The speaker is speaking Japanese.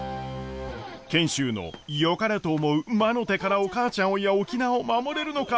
賢秀のよかれと思う魔の手からお母ちゃんをいや沖縄を守れるのか。